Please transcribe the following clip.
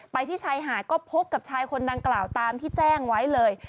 ที่ชายหาดก็พบกับชายคนดังกล่าวตามที่แจ้งไว้เลย